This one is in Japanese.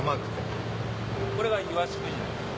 これがイワシクジラです。